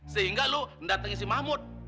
sehingga lu datangin si mahmud